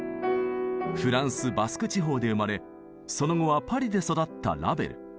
フランスバスク地方で生まれその後はパリで育ったラヴェル。